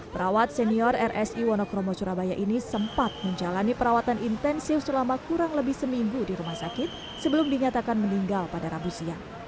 perawat senior rsi wonokromo surabaya ini sempat menjalani perawatan intensif selama kurang lebih seminggu di rumah sakit sebelum dinyatakan meninggal pada rabu siang